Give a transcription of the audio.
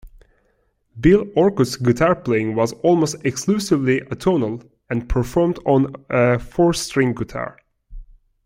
Bill Orcutt's guitar playing was almost exclusively atonal, and performed on a four-string guitar.